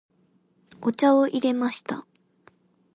お茶を入れました。